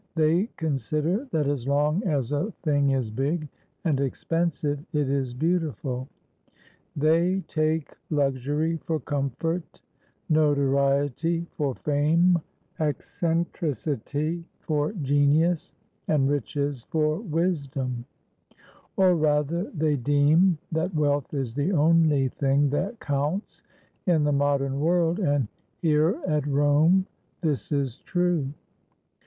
They consider that as long as a thing is big and expensive it is beautiful; they take luxury for comfort, notoriety for fame, eccentricity for genius, and riches for wisdom ; or rather they deem that wealth is the only thing that counts in the modem world, and here at Rome this is true.